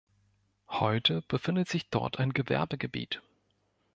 Heute befindet sich dort ein Gewerbegebiet.